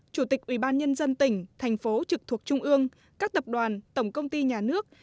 chủ tịch ubnd tỉnh thành phố trực thuộc trung ương các tập đoàn tổng công ty nhà nước